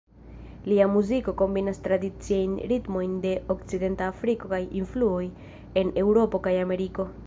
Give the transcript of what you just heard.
Lia muziko kombinas tradiciajn ritmojn de Okcidenta Afriko kaj influoj de Eŭropo kaj Ameriko.